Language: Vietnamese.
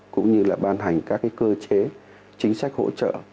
cũng như là ban hành các cơ chế chính sách hỗ trợ